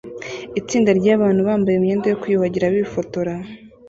Itsinda ryabantu bambaye imyenda yo kwiyuhagira bifotora